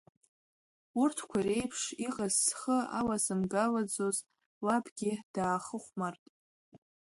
Урҭқәа реиԥш иҟаз зхы алазымгалаӡоз лабгьы даахыхәмарт.